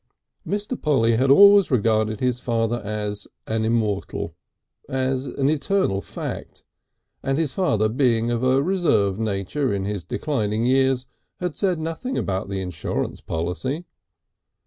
Mr. Polly had always regarded his father as an immortal, as an eternal fact, and his father being of a reserved nature in his declining years had said nothing about the insurance policy.